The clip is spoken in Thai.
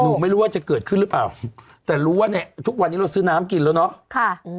ไม่รู้ว่าจะเกิดขึ้นหรือเปล่าแต่รู้ว่าในทุกวันนี้เราซื้อน้ำกินแล้วเนาะ